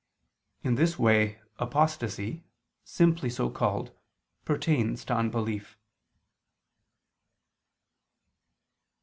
In this way apostasy, simply so called, pertains to unbelief.